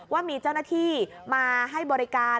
ว่ามีเจ้าหน้าที่มาให้บริการ